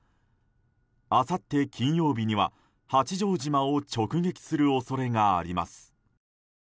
あさって金曜日には、八丈島を直撃する恐れがあります。